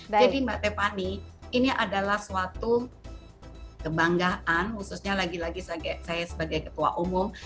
jadi mbak tepani ini adalah suatu kebanggaan khususnya lagi lagi saya sebagai ketua umum